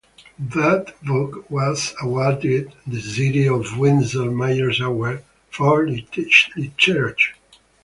That book was awarded the City of Windsor Mayor's Award for literature.